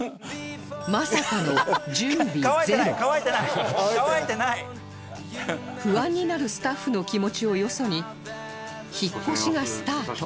まさかの「乾いてない」不安になるスタッフの気持ちをよそに引っ越しがスタート